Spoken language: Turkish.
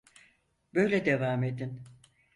Böyle devam edin.